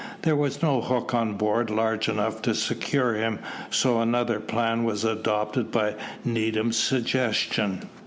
There was no hook on board large enough to secure him, so another plan was adopted by Needham's suggestion.